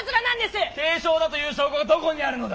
軽症だという証拠がどこにあるのだ！